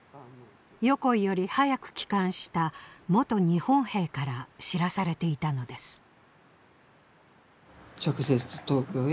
横井より早く帰還した元日本兵から知らされていたのです。